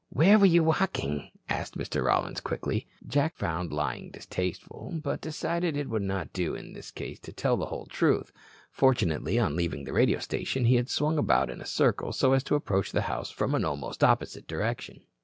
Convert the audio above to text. "Where were you walking?" asked Mr. Rollins quickly. Jack found lying distasteful, but decided it would not do in this case to tell the whole truth. Fortunately, on leaving the radio station, he had swung about in a circle, so as to approach the house from an almost opposite direction.